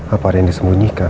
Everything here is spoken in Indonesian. apa ada yang disembunyikan